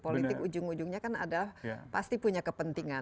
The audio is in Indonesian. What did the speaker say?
politik ujung ujungnya kan adalah pasti punya kepentingan